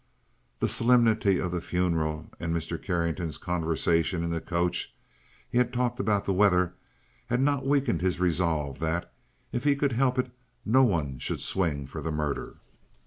The solemnity of the funeral and Mr. Carrington's conversation in the coach he had talked about the weather had not weakened his resolve that, if he could help it, no one should swing for the murder.